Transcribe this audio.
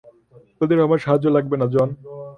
ওদের আমাদের সাহায্য লাগবে না, জন।